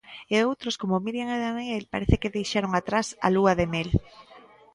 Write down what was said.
E outros como Míriam e Daniel parece que deixaron atrás a lúa de mel.